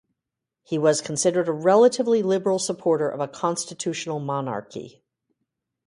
He was considered a relatively liberal supporter of a constitutional monarchy.